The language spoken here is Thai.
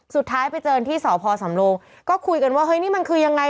สุดท้ายไปเจอที่สพสำโลงก็คุยกันว่าเฮ้ยนี่มันคือยังไง